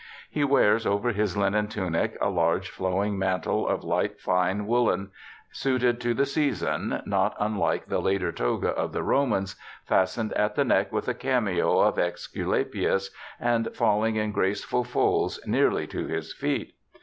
He wears over his linen tunic a large flowing mantle of light fine woolen, suited to the season, not unlike the later toga of the Romans, fastened at the neck with a cameo of ^Esculapius, and falling in graceful folds nearly to his feet.